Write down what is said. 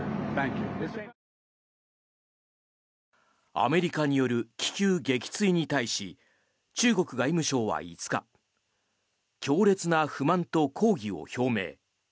アメリカによる気球撃墜に対し中国外務省は５日強烈な不満と抗議を表明。